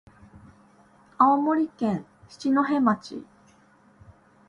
青森県七戸町